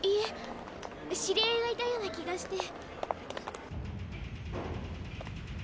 知り合いがいたような気がして。